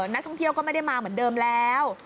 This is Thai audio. นักท่องเที่ยวก็ไม่ได้มาเหมือนเดิมแล้ว